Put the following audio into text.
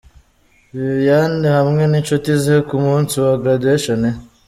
Viviane hamwe n'inshuti ze ku munsi wa Graduation ye.